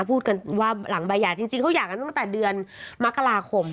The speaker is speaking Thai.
พูดกันว่าหลังใบหย่าจริงเขาหย่ากันตั้งแต่เดือนมกราคม